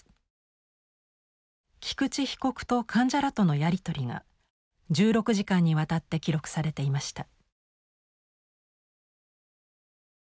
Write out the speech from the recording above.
菊池被告と患者らとのやり取りが１６時間にわたって記録されていました。